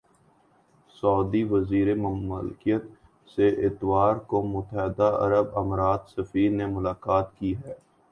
سعودی وزیر مملکت سے اتوار کو متحدہ عرب امارات سفیر نے ملاقات کی ہے